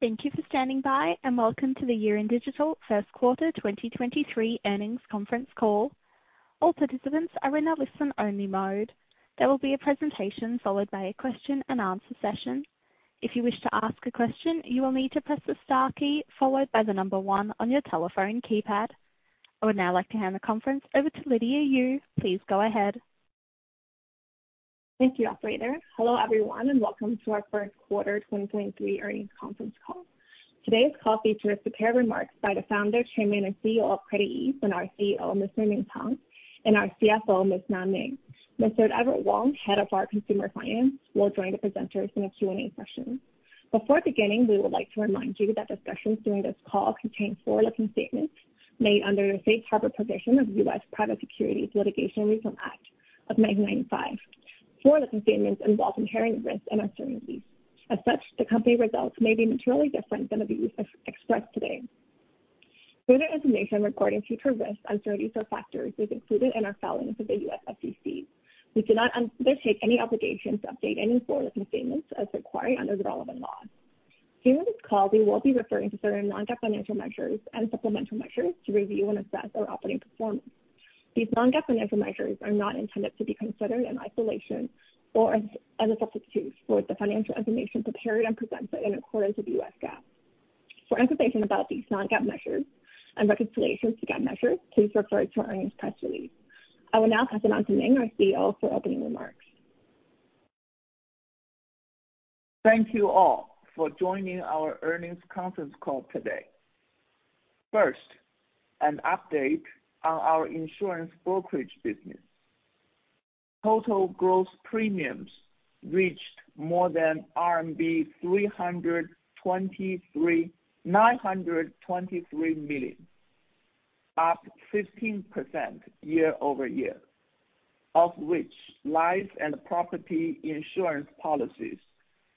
Thank you for standing by, and welcome to the Yiren Digital First Quarter 2023 Earnings Conference Call. All participants are in a listen-only mode. There will be a presentation followed by a question-and-answer session. If you wish to ask a question, you will need to press the star key followed by the number one on your telephone keypad. I would now like to hand the conference over to Lydia Yu. Please go ahead. Thank you, Operator. Hello, everyone, and welcome to our first quarter 2023 earnings conference call. Today's call features the prepared remarks by the founder, chairman, and CEO of CreditEase, and our CEO, Mr. Ning Tang, and our CFO, Ms. Na Mei. Mr. Edward Wong, Head of our Consumer Finance, will join the presenters in the Q&A session. Before beginning, we would like to remind you that discussions during this call contain forward-looking statements made under the safe harbor provision of U.S. Private Securities Litigation Reform Act of 1995. Forward-looking statements involve inherent risks and uncertainties. As such, the company results may be materially different than those expressed today. Further information regarding future risks, uncertainties, or factors is included in our filings with the U.S. SEC. We do not undertake any obligation to update any forward-looking statements as required under the relevant law. During this call, we will be referring to certain non-GAAP financial measures and supplemental measures to review and assess our operating performance. These non-GAAP financial measures are not intended to be considered in isolation or as a substitute for the financial information prepared and presented in accordance with U.S. GAAP. For information about these non-GAAP measures and reconciliations to GAAP measures, please refer to our earnings press release. I will now pass it on to Ning, our CEO, for opening remarks. Thank you all for joining our earnings conference call today. First, an update on our insurance brokerage business. Total gross premiums reached more than 923 million, up 15% year-over-year, of which life and property insurance policies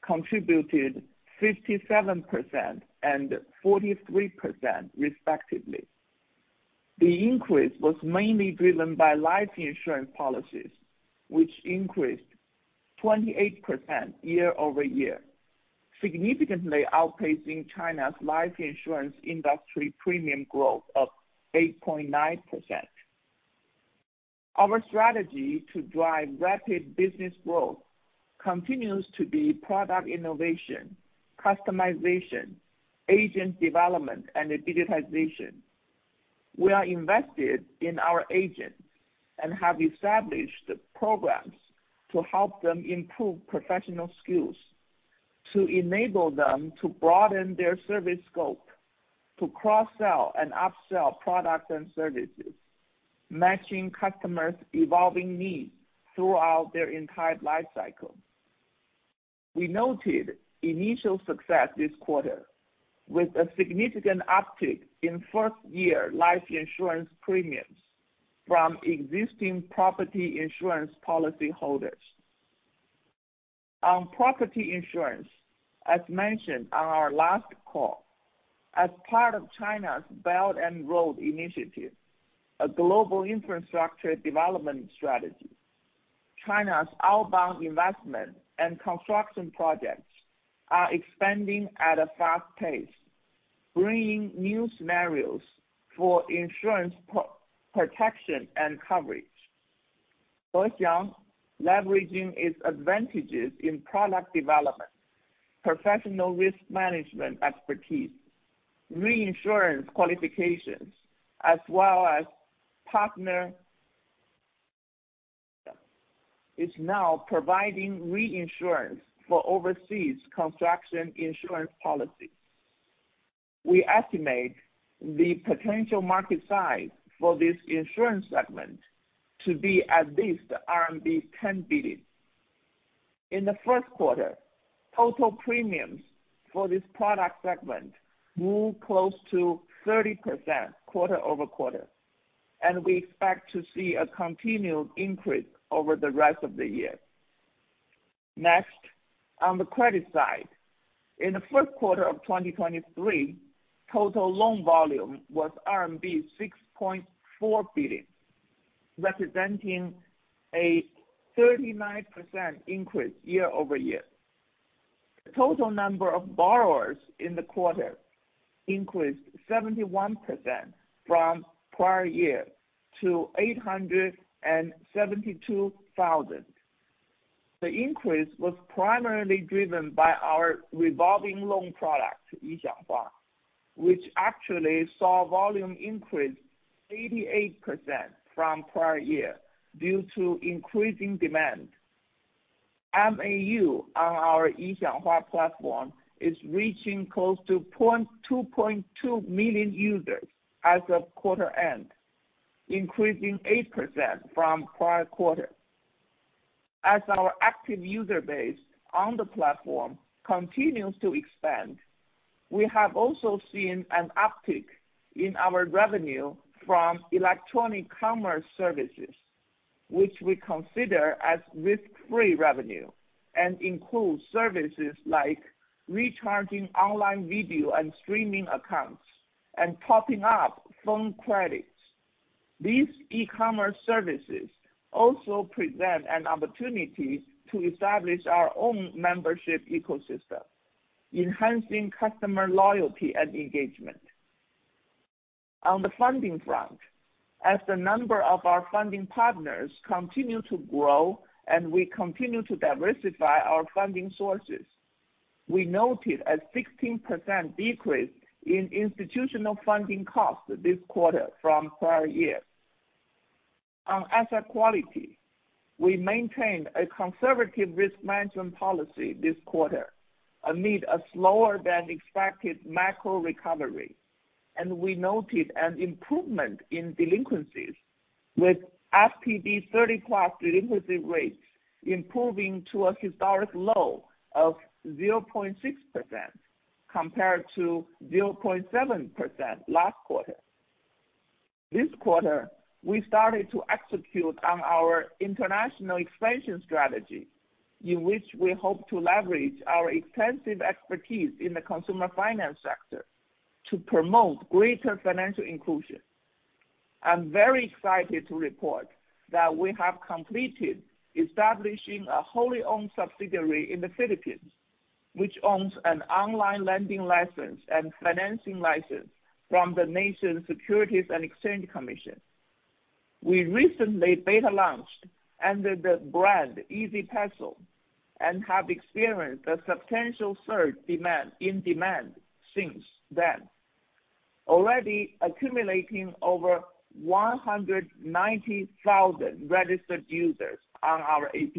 contributed 57% and 43% respectively. The increase was mainly driven by life insurance policies, which increased 28% year-over-year, significantly outpacing China's life insurance industry premium growth of 8.9%. Our strategy to drive rapid business growth continues to be product innovation, customization, agent development, and digitization. We are invested in our agents and have established programs to help them improve professional skills, to enable them to broaden their service scope, to cross-sell and upsell products and services, matching customers' evolving needs throughout their entire life cycle. We noted initial success this quarter with a significant uptick in first-year life insurance premiums from existing property insurance policyholders. On property insurance, as mentioned on our last call, as part of China's Belt and Road Initiative, a global infrastructure development strategy, China's outbound investment and construction projects are expanding at a fast pace, bringing new scenarios for insurance protection and coverage. Hexiang, leveraging its advantages in product development, professional risk management expertise, reinsurance qualifications, as well as partner is now providing reinsurance for overseas construction insurance policies. We estimate the potential market size for this insurance segment to be at least RMB 10 billion. In the first quarter, total premiums for this product segment grew close to 30% quarter-over-quarter. We expect to see a continued increase over the rest of the year. Next, on the credit side. In the first quarter of 2023, total loan volume was RMB 6.4 billion, representing a 39% increase year-over-year. Total number of borrowers in the quarter increased 71% from prior year to 872,000. The increase was primarily driven by our revolving loan product, Yixianghua, which actually saw volume increase 88% from prior year due to increasing demand. MAU on our Yixianghua platform is reaching close to 2.2 million users as of quarter end, increasing 8% from prior quarter. As our active user base on the platform continues to expand, we have also seen an uptick in our revenue from electronic commerce services, which we consider as risk-free revenue and includes services like recharging online video and streaming accounts and topping up phone credits. These e-commerce services also present an opportunity to establish our own membership ecosystem, enhancing customer loyalty and engagement. On the funding front, as the number of our funding partners continue to grow, and we continue to diversify our funding sources, we noted a 16% decrease in institutional funding costs this quarter from prior year. On asset quality, we maintained a conservative risk management policy this quarter amid a slower than expected macro recovery, and we noted an improvement in delinquencies, with FPD 30+ delinquency rates improving to a historic low of 0.6%, compared to 0.7% last quarter. This quarter, we started to execute on our international expansion strategy, in which we hope to leverage our extensive expertise in the consumer finance sector to promote greater financial inclusion. I'm very excited to report that we have completed establishing a wholly-owned subsidiary in the Philippines, which owns an online lending license and financing license from the nation's Securities and Exchange Commission. We recently beta launched under the brand, Easy Peso, and have experienced a substantial surge in demand since then, already accumulating over 190,000 registered users on our app.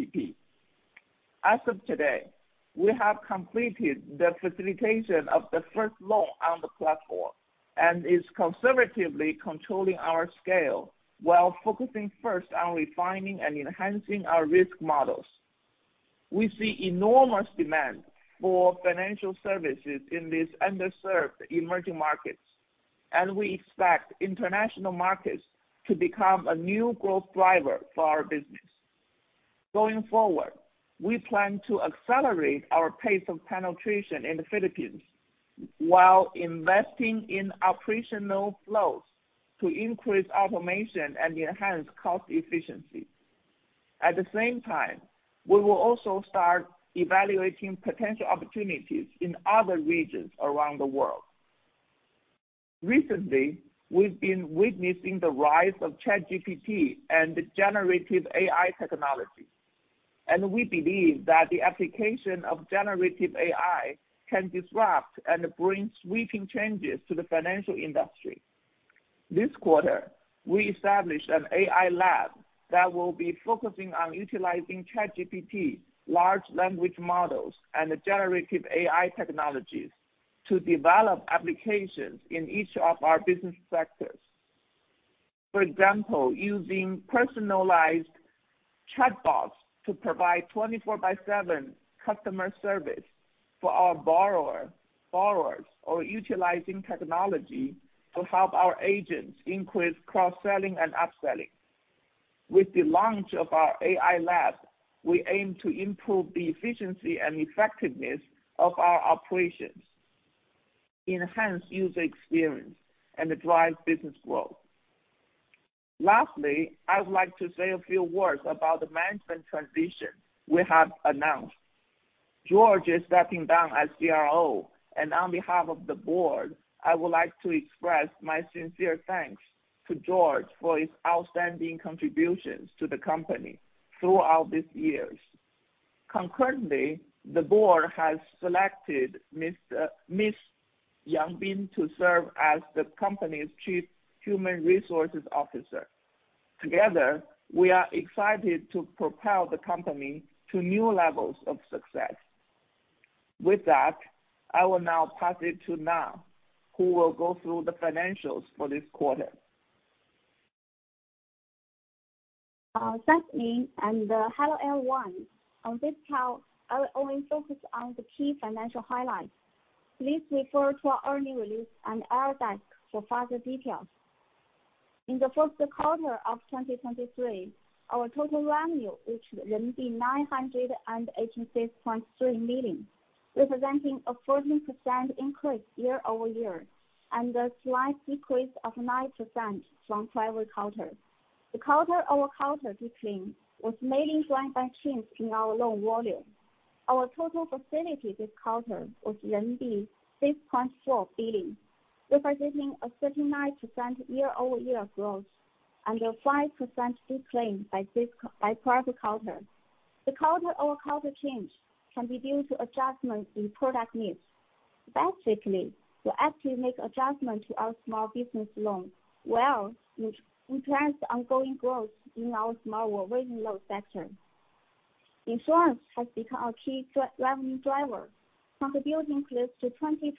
As of today, we have completed the facilitation of the first loan on the platform, and is conservatively controlling our scale while focusing first on refining and enhancing our risk models. We see enormous demand for financial services in these underserved emerging markets, we expect international markets to become a new growth driver for our business. Going forward, we plan to accelerate our pace of penetration in the Philippines, while investing in operational flows to increase automation and enhance cost efficiency. At the same time, we will also start evaluating potential opportunities in other regions around the world. Recently, we've been witnessing the rise of ChatGPT and the generative AI technology, and we believe that the application of generative AI can disrupt and bring sweeping changes to the financial industry. This quarter, we established an AI Lab that will be focusing on utilizing ChatGPT, large language models, and generative AI technologies to develop applications in each of our business sectors. For example, using personalized chatbots to provide 24/7 customer service for our borrowers, or utilizing technology to help our agents increase cross-selling and upselling. With the launch of our AI Lab, we aim to improve the efficiency and effectiveness of our operations, enhance user experience, and drive business growth. Lastly, I would like to say a few words about the management transition we have announced. George is stepping down as CRO, and on behalf of the board, I would like to express my sincere thanks to George for his outstanding contributions to the company throughout these years. Concurrently, the board has selected Ms. Yang Bin to serve as the company's Chief Human Resources Officer. Together, we are excited to propel the company to new levels of success. With that, I will now pass it to Na, who will go through the financials for this quarter. Thanks, Ning, and hello, everyone. On this call, I will only focus on the key financial highlights. Please refer to our earnings release and our deck for further details. In the first quarter of 2023, our total revenue reached 986.3 million, representing a 14% increase year-over-year, and a slight decrease of 9% from prior quarter. The quarter-over-quarter decline was mainly driven by changes in our loan volume. Our total facilities this quarter was RMB 6.4 million, representing a 39% year-over-year growth and a 5% decline by prior quarter. The quarter-over-quarter change can be due to adjustments in product mix. Basically, we actually make adjustment to our small business loans, while we enhance ongoing growth in our small working loan sector. Insurance has become a key revenue driver, contributing close to 20%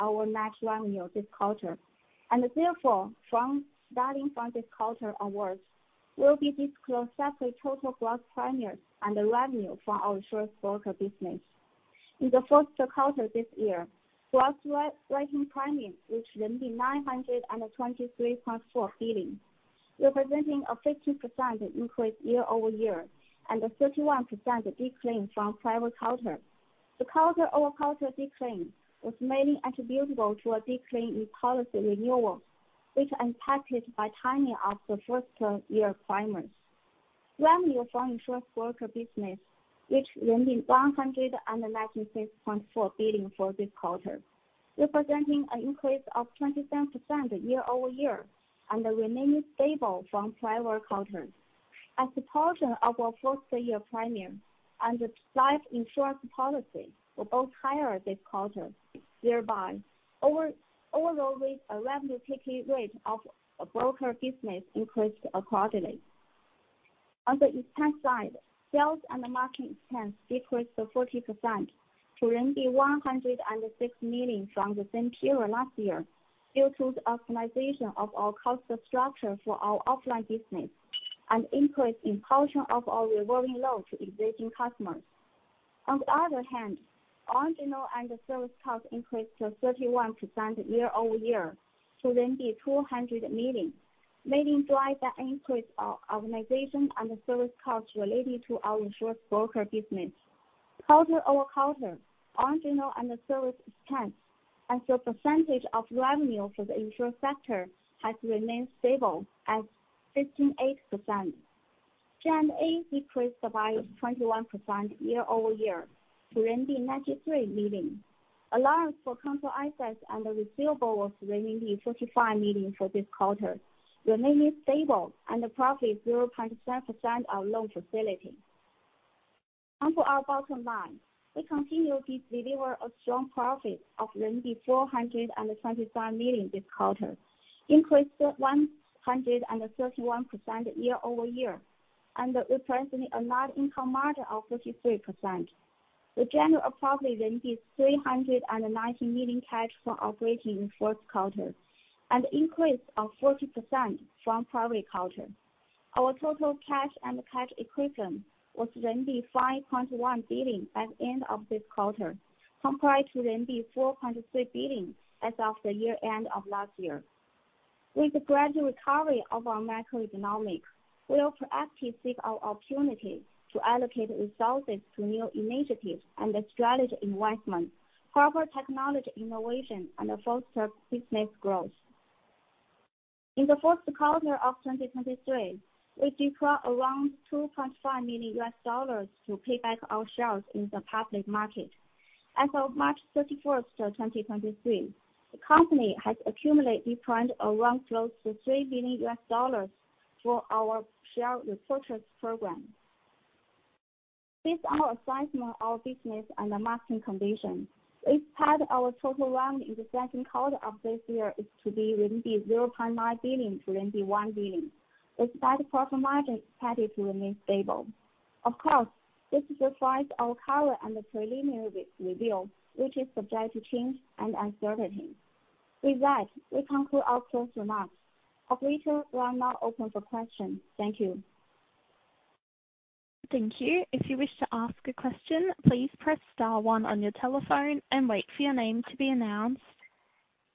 our net revenue this quarter. Therefore, from starting from this quarter onwards, we'll be disclosing separate total gross premiums and the revenue from our insurance broker business. In the first quarter this year, gross rating premiums reached RMB 923.4 million, representing a 15% increase year-over-year, and a 31% decline from prior quarter. The quarter-over-quarter decline was mainly attributable to a decline in policy renewal, which impacted by timing of the first year premiums. Revenue from insurance broker business, which 196.4 million for this quarter, representing an increase of 27% year-over-year, and remaining stable from prior quarters. As the portion of our first year premium and the life insurance policy were both higher this quarter, thereby although with a revenue taking rate of a broker business increased accordingly. On the expense side, sales and marketing expense decreased to 40% to 106 million from the same period last year, due to the optimization of our cost structure for our offline business and increase in portion of our revolving loan to existing customers. On the other hand, original and service cost increased to 31% year-over-year to 200 million, mainly drive by increase of organization and the service costs related to our insurance broker business. Quarter-over-quarter, original and the service expense as a percentage of revenue for the insurance sector has remained stable at 15.8%. G&A decreased by 21% year-over-year to 93 million. Allowance for counter assets and the receivable was 45 million for this quarter, remaining stable and the profit 0.7% of loan facility. Onto our bottom line, we continue to deliver a strong profit of 427 million this quarter, increased 131% year-over-year, and representing a net income margin of 53%. We generated a profit 390 million cash from operating in fourth quarter, an increase of 40% from prior quarter. Our total cash and cash equivalent was RMB 5.1 billion by the end of this quarter, compared to RMB 4.3 billion as of the year end of last year. With the gradual recovery of our macroeconomics, we will proactively seek out opportunities to allocate resources to new initiatives and the strategic investment, harbor technology innovation and foster business growth. In the fourth quarter of 2023, we deployed around $2.5 million to pay back our shares in the public market. As of March 31st, 2023, the company has accumulated, deployed around close to $3 billion for our share repurchase program. Based on our assessment of business and the market condition, we've had our total revenue in the second quarter of this year is to be 0.9 billion-1 billion, with that profit margin expected to remain stable. Of course, this is the price of cover and the preliminary review, which is subject to change and uncertainty. With that, we conclude our closed remarks. Operator, we'll now open for questions. Thank you. Thank you. If you wish to ask a question, please press star one on your telephone and wait for your name to be announced.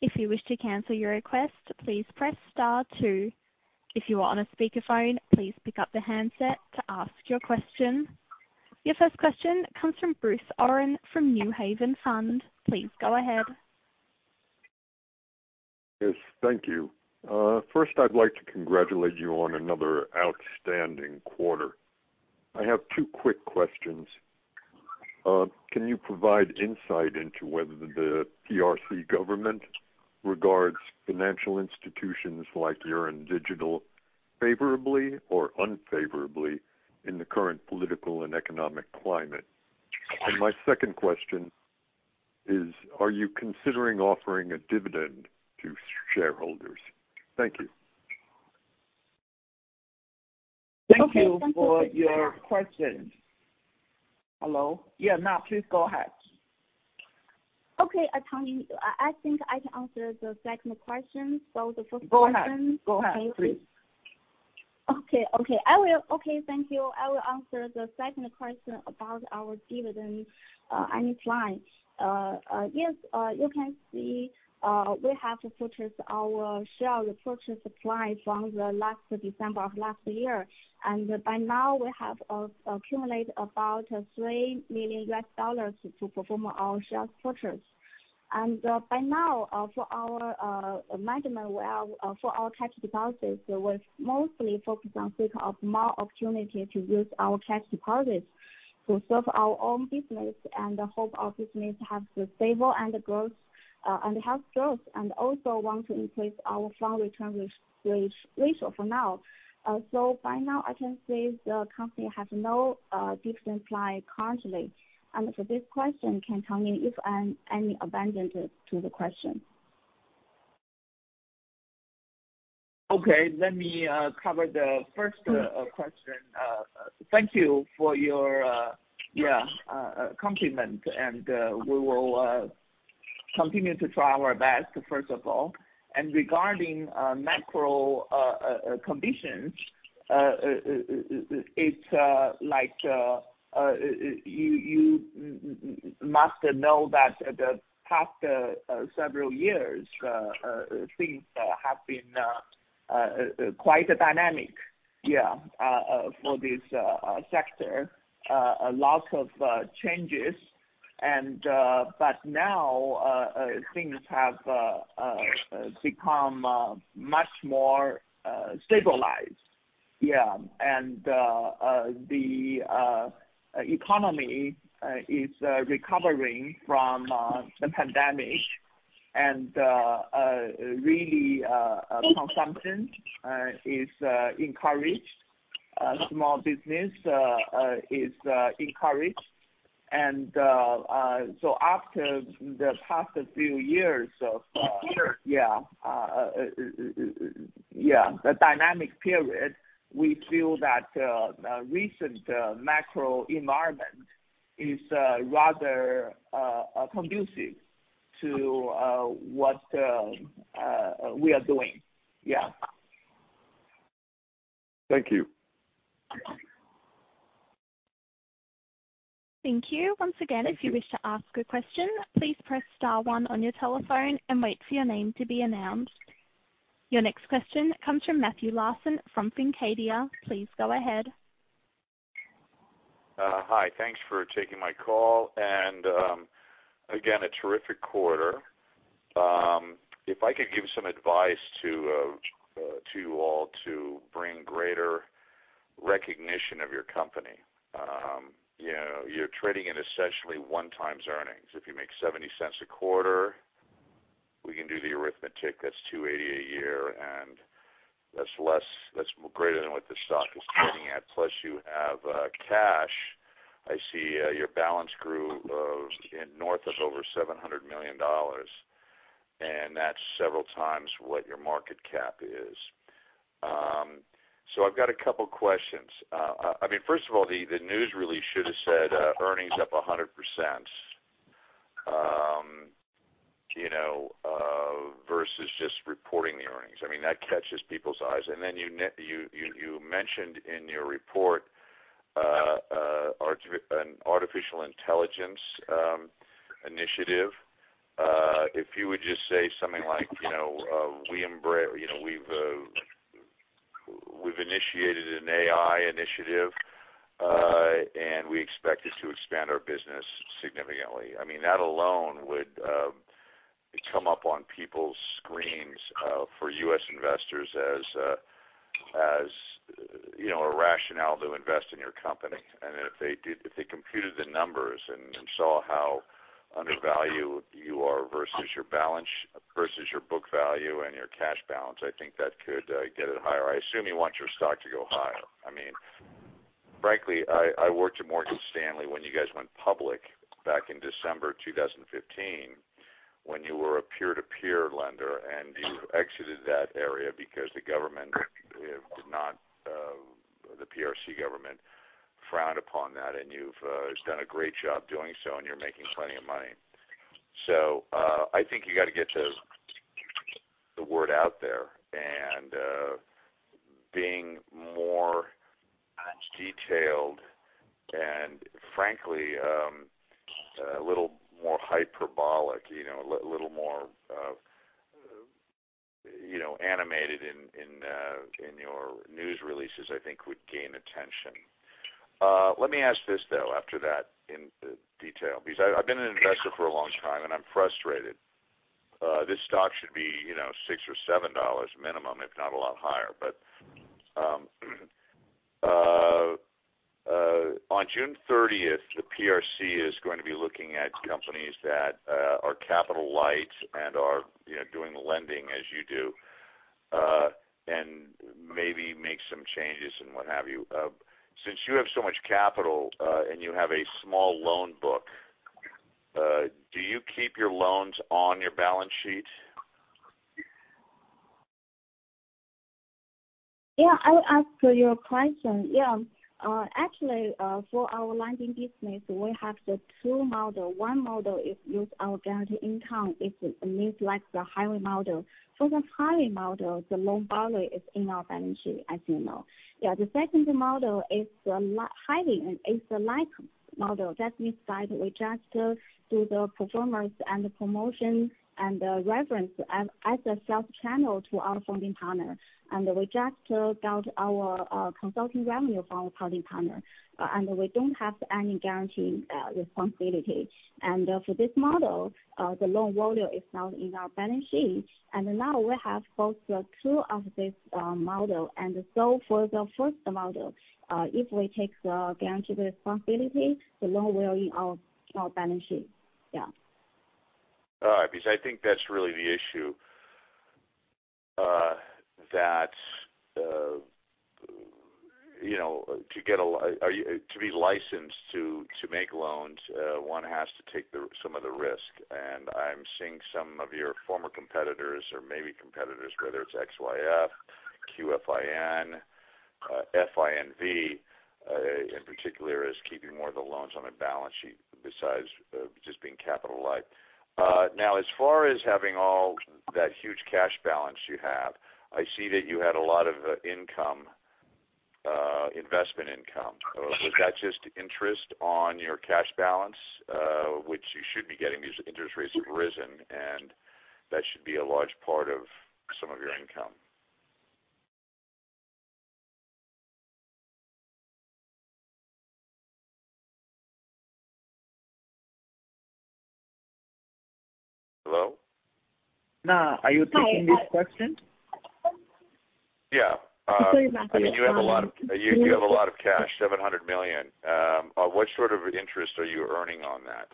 If you wish to cancel your request, please press star two. If you are on a speakerphone, please pick up the handset to ask your question. Your first question comes from Bruce Oren from New Haven Fund. Please go ahead. Yes, thank you. First, I'd like to congratulate you on another outstanding quarter. I have two quick questions. Can you provide insight into whether the PRC government regards financial institutions like Yiren Digital favorably or unfavorably in the current political and economic climate? My second question is, are you considering offering a dividend to shareholders? Thank you. Thank you for your question. Hello? Yeah, now, please go ahead. Okay, Tang Ning, I think I can answer the second question, so the first question. Go ahead. Go ahead, please. Okay, okay. I will. Okay, thank you. I will answer the second question about our dividend and its line. Yes, you can see, we have purchased our share purchase supply from the last December of last year, and by now we have accumulated about $3 million to perform our share purchase. By now, for our management, for our cash deposits, we're mostly focused on seek of more opportunity to use our cash deposits to serve our own business and hope our business have the stable and growth, and have growth, and also want to increase our fund return ratio for now. By now, I can say the company has no different supply currently. For this question, can Tang Ning, if any abandonment to the question? Okay, let me cover the first question. Thank you for your compliment, and we will continue to try our best, first of all. Regarding macro conditions, it's like you must know that the past several years, things have been quite dynamic. Yeah, for this sector, a lot of changes and, but now things have become much more stabilized. Yeah. The economy is recovering from the pandemic. Really, consumption is encouraged. Small business is encouraged. After the past few years of yeah, the dynamic period, we feel that recent macro environment is rather conducive to what we are doing. Yeah. Thank you. Thank you. Once again, if you wish to ask a question, please press star one on your telephone and wait for your name to be announced. Your next question comes from Matthew Larson from Fincadia. Please go ahead. Hi, thanks for taking my call. Again, a terrific quarter. If I could give some advice to you all to bring greater recognition of your company. You know, you're trading at essentially 1 times earnings. If you make $0.70 a quarter, we can do the arithmetic, that's $2.80 a year, and that's greater than what the stock is trading at. Plus you have cash. I see your balance grew in north of over $700 million, and that's several times what your market cap is. I've got a couple questions. I mean, first of all, the news release should have said earnings up 100%, you know, versus just reporting the earnings. I mean, that catches people's eyes. You mentioned in your report, an artificial intelligence initiative. If you would just say something like, you know, we embrace, you know, we've initiated an AI initiative, and we expect it to expand our business significantly. I mean, that alone would come up on people's screens, for U.S. investors as, you know, a rationale to invest in your company. If they computed the numbers and saw how undervalued you are versus your balance, versus your book value and your cash balance, I think that could get it higher. I assume you want your stock to go higher. I mean, frankly, I worked at Morgan Stanley when you guys went public back in December 2015, when you were a peer-to-peer lender, and you exited that area because the government did not, the PRC government frowned upon that, and you've done a great job doing so, and you're making plenty of money. I think you got to get the word out there and being more detailed and frankly, a little more hyperbolic, you know, a little more, you know, animated in your news releases, I think would gain attention. Let me ask this though, after that, in detail, because I've been an investor for a long time, and I'm frustrated. This stock should be, you know, $6 or $7 minimum, if not a lot higher. On June 30th, the PRC is going to be looking at companies that are capital light and are, you know, doing the lending as you do, and maybe make some changes and what have you. Since you have so much capital, and you have a small loan book, do you keep your loans on your balance sheet? I'll answer your question. Actually, for our lending business, we have the two model. One model is use our guarantee income. It means like the highway model. For the highway model, the loan value is in our balance sheet, as you know. The second model is the hiring, is the light model. That means that we just do the performance and the promotion and the reference as a sales channel to our funding partner. We just got our consulting revenue from our funding partner, and we don't have any guarantee responsibility. For this model, the loan volume is not in our balance sheet. Now we have both the two of this model. For the first model, if we take the guarantee responsibility, the loan will in our balance sheet. All right, because I think that's really the issue, you know, to get licensed to make loans, one has to take the, some of the risk. I'm seeing some of your former competitors or maybe competitors, whether it's XYF, QFIN, FINV, in particular, is keeping more of the loans on a balance sheet besides just being capital light. As far as having all that huge cash balance you have, I see that you had a lot of income, investment income. Was that just interest on your cash balance? Which you should be getting, these interest rates have risen, and that should be a large part of some of your income. Hello? Na, are you taking this question? Yeah. I mean, you have a lot of cash, 700 million. What sort of interest are you earning on that?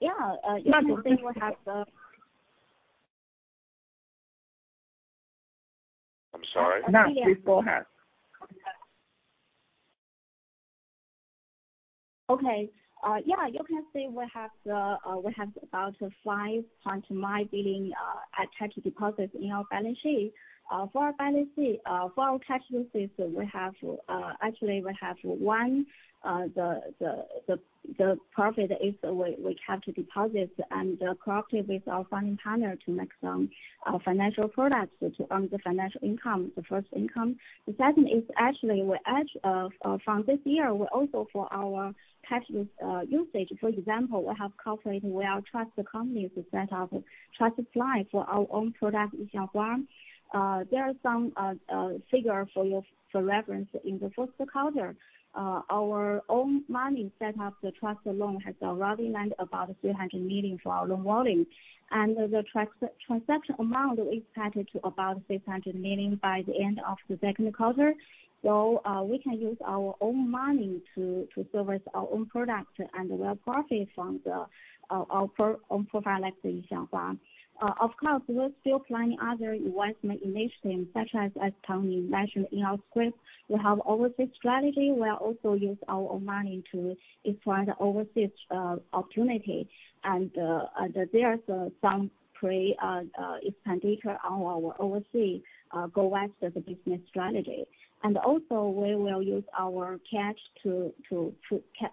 Yeah, you can say we have. I'm sorry? Na, please go ahead. Okay. Yeah, you can say we have the, we have about 5.9 billion attractive deposits in our balance sheet. For our balance sheet, for our cash uses, we have, actually we have one, the profit is we have to deposit and cooperate with our funding partner to make some financial products to earn the financial income, the first income. The second is actually with as, from this year, we also for our cash usage, for example, we have cooperated with our trust companies to set up a trusted line for our own product, Yixianghua. There are some figure for your reference in the first quarter. Our own money set up the trust loan has already lent about 300 million for our loan volume. The transaction amount is targeted to about 600 million by the end of the second quarter. We can use our own money to service our own products, and we are profit from the our own product like Yixianghua. Of course, we're still planning other investment initiatives, such as as Tang Ning mentioned in our script. We have overseas strategy. We'll also use our own money to explore the overseas opportunity. There's some expand data on our overseas go after the business strategy. Also, we will use our cash to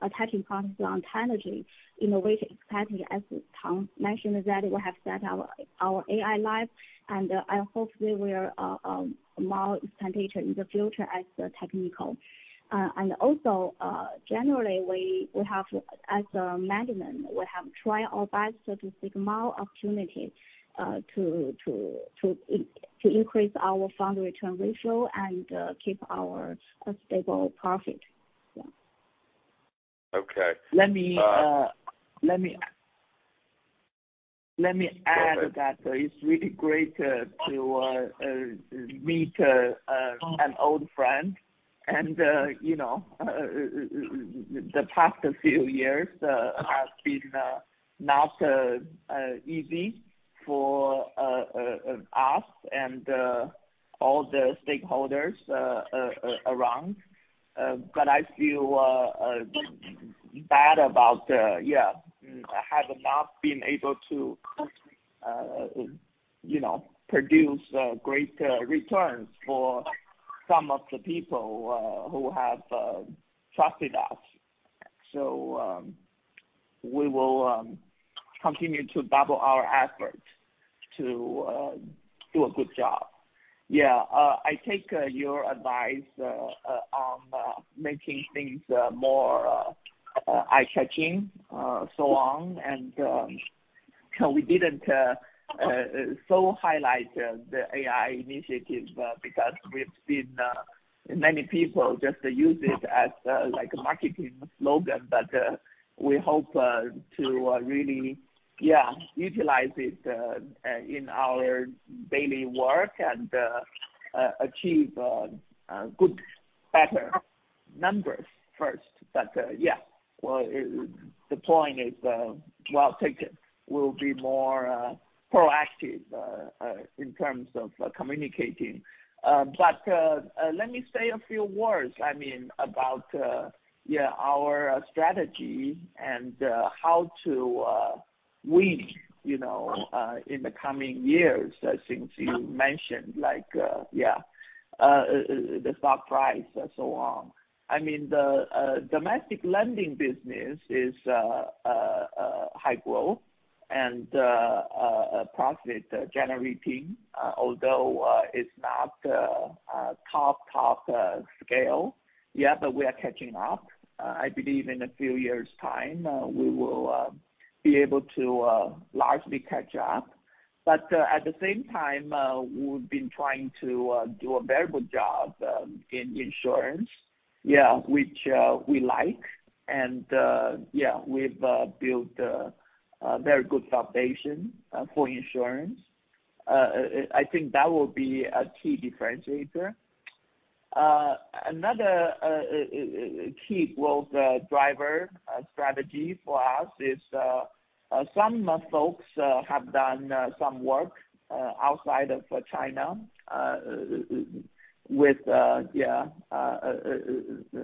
attaching process on technology, innovative technology, as Tang Ning mentioned, that we have set up our AI Lab, and hopefully we are more expand data in the future as the technical. Generally, we have, as a management, tried our best to seek more opportunities to increase our fund return ratio and keep our stable profit. Yeah. Okay. Let me add that it's really great to meet an old friend. You know, the past few years have been not easy for us and all the stakeholders around. I feel bad about, yeah, have not been able to, you know, produce great returns for some of the people who have trusted us. We will continue to double our efforts to do a good job. Yeah, I take your advice on making things more eye-catching, so on. We didn't so highlight the AI initiative because we've seen many people just use it as like a marketing slogan, but we hope to really, yeah, utilize it in our daily work and achieve good, better numbers first. Well, the point is well taken. We'll be more proactive in terms of communicating. Let me say a few words, I mean, about our strategy and how to win, you know, in the coming years, since you mentioned, like the stock price and so on. I mean, the domestic lending business is high growth and profit-generating, although it's not top scale yet, but we are catching up. I believe in a few years time, we will be able to largely catch up. At the same time, we've been trying to do a very good job in insurance, yeah, which we like, and yeah, we've built a very good foundation for insurance. I think that will be a key differentiator. Another key growth driver strategy for us is some folks have done some work outside of China with yeah,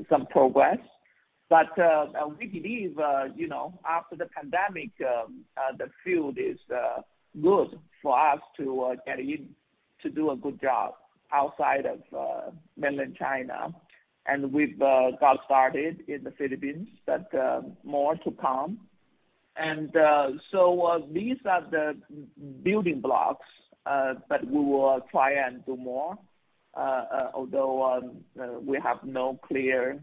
some progress. We believe, you know, after the pandemic, the field is good for us to get in, to do a good job outside of mainland China, and we've got started in the Philippines, but more to come. These are the building blocks, but we will try and do more, although we have no clear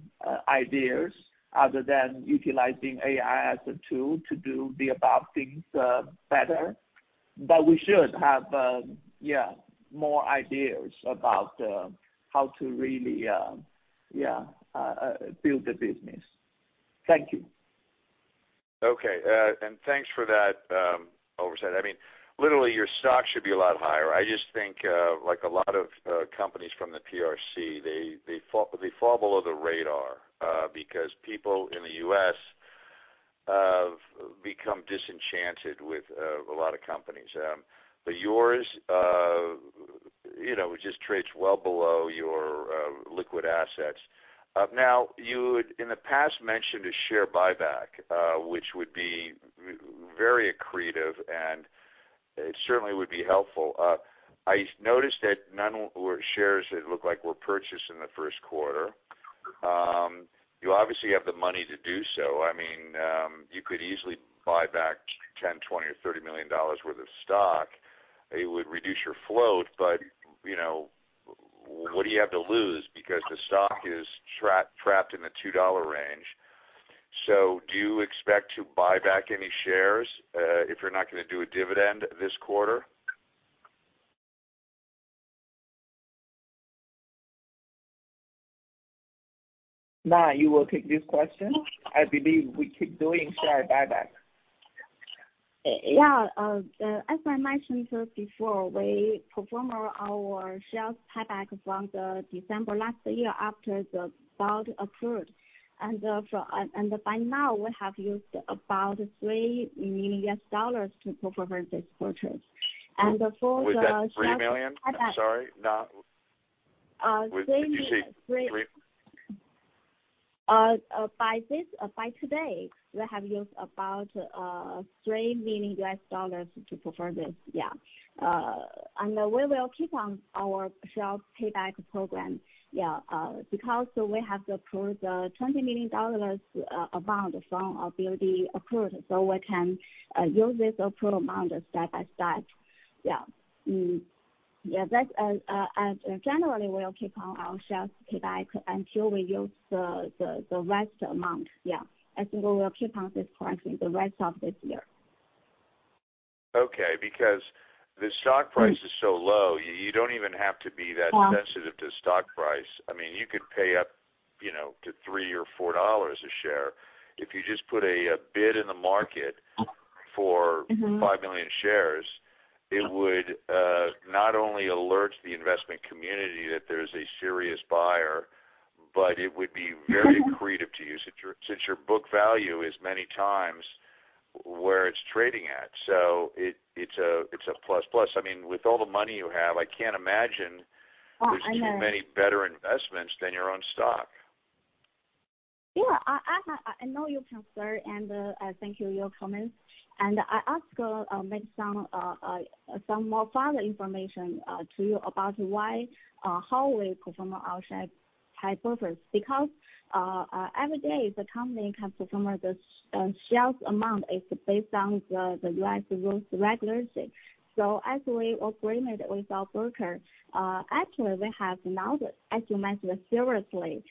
ideas other than utilizing AI as a tool to do the above things better. We should have more ideas about how to really build the business. Thank you. Okay, thanks for that oversight. I mean, literally, your stock should be a lot higher. I just think, like a lot of companies from the PRC, they fall below the radar because people in the U.S. have become disenchanted with a lot of companies. Yours, you know, it just trades well below your liquid assets. Now, you would in the past mention a share buyback, which would be very accretive, and it certainly would be helpful. I noticed that none were shares that looked like were purchased in the first quarter. You obviously have the money to do so. I mean, you could easily buy back $10 million, $20 million, or $30 million worth of stock. It would reduce your float, but, you know, what do you have to lose? The stock is trapped in the $2 range. Do you expect to buy back any shares if you're not gonna do a dividend this quarter? Na, you will take this question? I believe we keep doing share buyback. Yeah, as I mentioned before, we perform our shares buyback from the December last year after the board approved. By now, we have used about $3 million to perform this purchase. Was that $3 million? I'm sorry, Na. Did you say 3? By today, we have used about $3 million to perform this. We will keep on our share buyback program because we have approved the $20 million amount from our board approved. We can use this approved amount step by step. That's generally, we'll keep on our share buyback until we use the rest amount. I think we will keep on this currently, the rest of this year. Because the stock price is so low, you don't even have to be that sensitive to stock price. I mean, you could pay up, you know, to $3 or $4 a share. If you just put a bid in the market for 5 million shares, it would not only alert the investment community that there's a serious buyer, but it would be very accretive to you, since your book value is many times where it's trading at. It's a plus plus. I mean, with all the money you have, I can't imagine there's too many better investments than your own stock. Yeah, I know your concern, and thank you for your comments. I ask maybe some more further information to you about why how we perform our share buyback. Every day, the company can perform this shares amount is based on the U.S. rules regularly. As we agreed with our broker, actually, we have now, as you mentioned, seriously,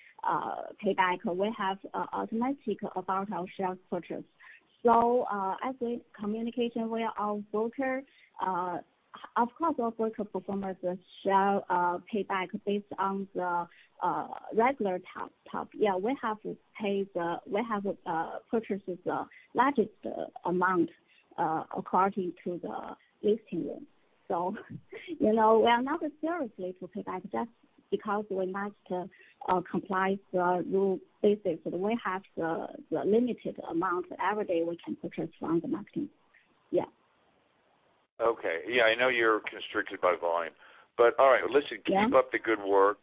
pay back. We have automatic about our share purchase. As we communication with our broker, of course, our broker performs the share pay back based on the regular top. Yeah, we have to pay, we have purchases the largest amount according to the listing rule. You know, we are not seriously to pay back just because we must comply the rule basically. We have the limited amount every day we can purchase from the market. Yeah. Okay. Yeah, I know you're constricted by volume, but all right. Yeah. Listen, keep up the good work.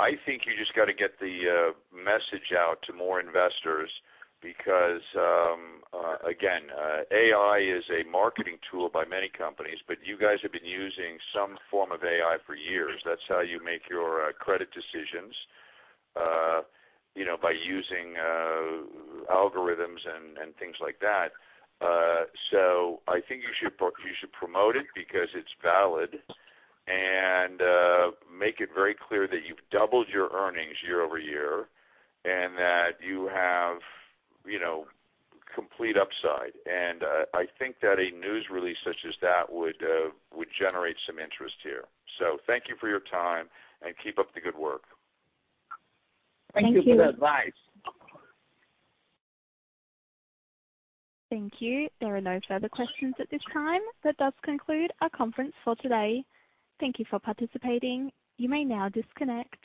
I think you just got to get the message out to more investors because again, AI is a marketing tool by many companies, but you guys have been using some form of AI for years. That's how you make your credit decisions, you know, by using algorithms and things like that. I think you should promote it because it's valid and make it very clear that you've doubled your earnings year-over-year, and that you have, you know, complete upside. I think that a news release such as that would generate some interest here. Thank you for your time, and keep up the good work. Thank you for the advice. Thank you. Thank you. There are no further questions at this time, that does conclude our conference for today. Thank you for participating. You may now disconnect.